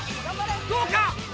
どうか？